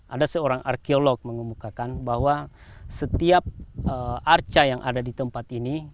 ada seorang arkeolog mengemukakan bahwa setiap arca yang ada di tempat ini